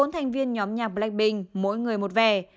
bốn thành viên nhóm nhạc blackpink mỗi người một vẻ mang một màu sắc riêng